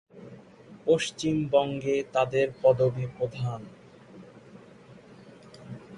পশ্চিমবঙ্গে তাদের পদবী প্রধান।